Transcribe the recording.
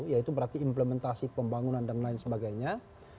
yaitu berarti implementasi pembangunan dan lain sebagainya